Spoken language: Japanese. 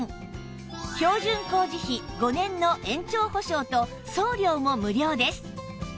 標準工事費５年の延長保証と送料も無料です